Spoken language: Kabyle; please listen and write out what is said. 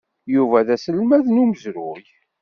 Yuba d aselmad n umezruy.